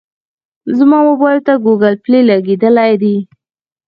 زما موبایل ته ګوګل پلی لګېدلی دی.